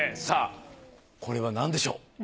さあこれは何でしょう？